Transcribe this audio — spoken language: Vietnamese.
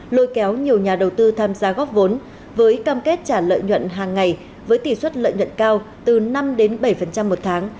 lôi kéo nhiều nhà đầu tư tham gia góp vốn với cam kết trả lợi nhuận hàng ngày với tỷ suất lợi nhuận cao từ năm đến bảy một tháng